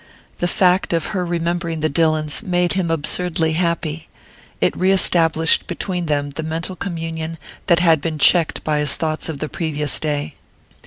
The fact of her remembering the Dillons made him absurdly happy; it re established between them the mental communion that had been checked by his thoughts of the previous day.